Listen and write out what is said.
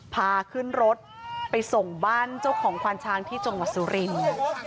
พาขึ้นรถไปส่งบ้านเจ้าของควานช้างที่จังหวัดสุรินทร์